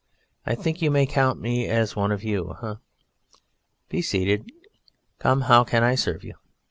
I think you may count me one of you? Eh? Be seated. Come, how can I serve you?"